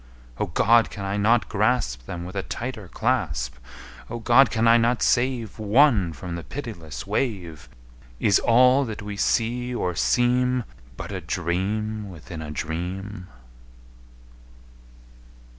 O God! can I not grasp Them with a tighter clasp? O God! can I not save One from the pitiless wave? Is all that we see or seem But a dream within a dream?